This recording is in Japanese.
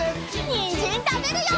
にんじんたべるよ！